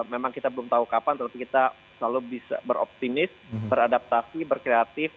memang kita belum tahu kapan tetapi kita selalu bisa beroptimis beradaptasi berkreatif